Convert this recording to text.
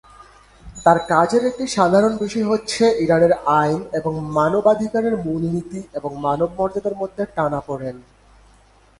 তার কাজের একটি সাধারণ বিষয় হচ্ছে ইরানের আইন এবং মানবাধিকারের মূল নীতি এবং মানব মর্যাদার মধ্যে টানাপোড়েন।